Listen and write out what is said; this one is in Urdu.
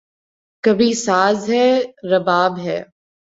کبھی ساز ہے، رباب ہے